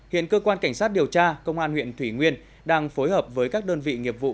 hiện cơ quan cảnh sát điều tra công an huyện thủy nguyên đang phối hợp với các đơn vị nghiệp vụ